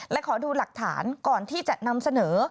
และขอดูหลักฐานก่อนที่จะนำเสนอ